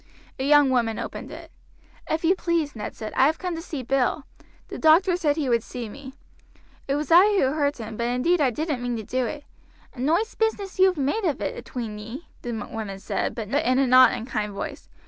A young woman opened it. "If you please," Ned said, "I have come to see Bill; the doctor said he would see me. It was I who hurt him, but indeed I didn't mean to do it." "A noice bizness yoi've made of it atween ee," the woman said, but in a not unkind voice.